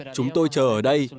chúng tôi chờ ở đây